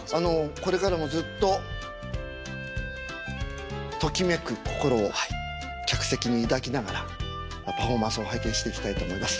これからもずっとときめく心を客席に抱きながらパフォーマンスを拝見していきたいと思います。